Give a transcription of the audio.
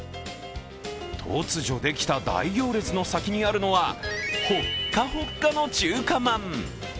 突如できた大行列の先にあるのは、ほっかほっかの中華まん。